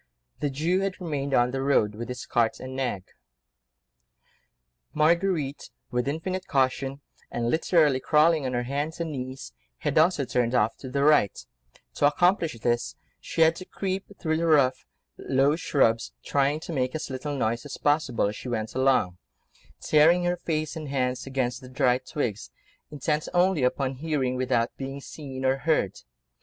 The Jew had remained on the road, with his cart and nag. Marguerite, with infinite caution, and literally crawling on her hands and knees, had also turned off to the right: to accomplish this she had to creep through the rough, low shrubs, trying to make as little noise as possible as she went along, tearing her face and hands against the dry twigs, intent only upon hearing without being seen or heard.